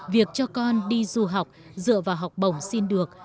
việc cho con đi du học dựa vào học bổng xin được